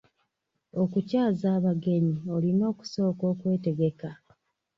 Okukyaza abagenyi olina okusooka okwetegeka.